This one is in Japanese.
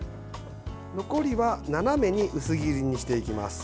残りは斜めに薄切りにしていきます。